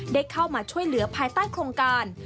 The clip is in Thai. ได้เข้ามาช่วยเหลือภายใต้โครงการ